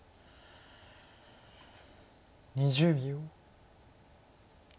２０秒。